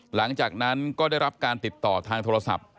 หลังจากนั้นก็ได้รับการติดต่อทางโทรศัพท์